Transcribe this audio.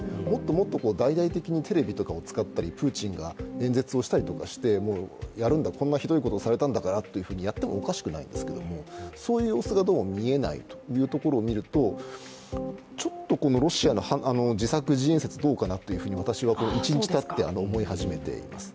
もっと大々的にテレビとかを使ったりプーチンが演説をするとか、こんなひどいことをされたんだからとやってもおかしくないんですけれども、そういう様子がどうも見えないというところを見ると、ちょっとこのロシアの自作自演説どうかなと、私は一日たって思い始めています。